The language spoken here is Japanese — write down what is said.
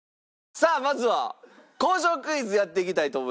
さあまずは工場クイズやっていきたいと思います。